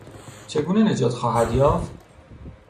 چگونه نجات خواهد یافت؟